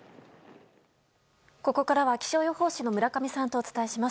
ここからは気象予報士の村上さんとお伝えします。